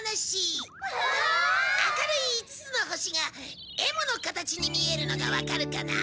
明るい５つの星がＭの形に見えるのがわかるかな？